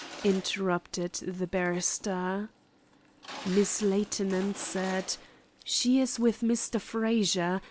interrupted the barrister. Miss Layton answered: "She is with Mr. Frazer.